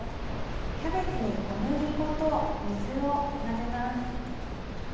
キャベツに小麦粉と水を混ぜます。